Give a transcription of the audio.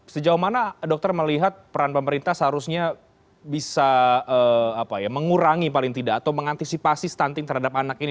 sejauh mana dokter melihat peran pemerintah seharusnya bisa mengurangi paling tidak atau mengantisipasi stunting terhadap anak ini